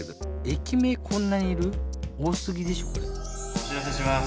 おしらせします。